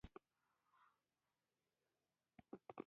بدلونونه ډیر ژر راځي.